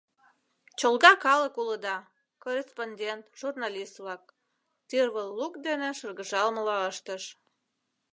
Чолга калык улыда — корреспондент-журналист-влак! — тӱрвӧ лук дене шыргыжалмыла ыштыш.